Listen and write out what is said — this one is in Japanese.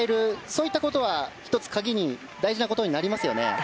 そういったことは１つ大事なことになりますよね。